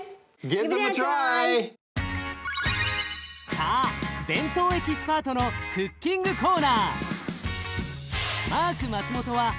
さあ弁当エキスパートのクッキングコーナー。